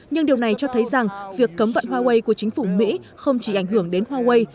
nhưng điều này cho thấy rằng việc cấm vận huawei của chính phủ mỹ không chỉ ảnh hưởng đến huawei